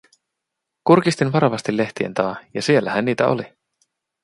Kurkistin varovasti lehtien taa, ja siellähän niitä oli.